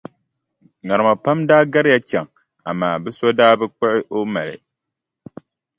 Ŋarima pam daa gariya chaŋ amaa bɛ so daa bi kpuɣi o mali.